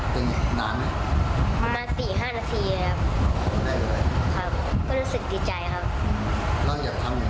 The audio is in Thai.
น้องไอโฟนรู้จักใคร